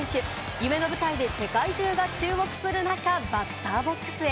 夢の舞台で世界中が注目する中、バッターボックスへ。